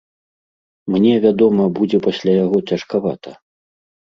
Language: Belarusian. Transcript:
Мне, вядома, будзе пасля яго цяжкавата.